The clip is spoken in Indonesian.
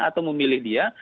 atau memilih dia